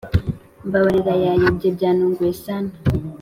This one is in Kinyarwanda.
mbabarira yayobye byantunguye sana